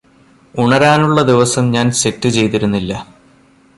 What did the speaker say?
ഉണരാനുള്ള ദിവസം ഞാന് സെറ്റ് ചെയ്തിരുന്നില്ല